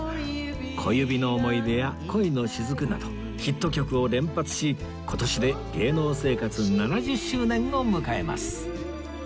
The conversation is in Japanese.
『小指の想い出』や『恋のしずく』などヒット曲を連発し今年で芸能生活７０周年を迎えます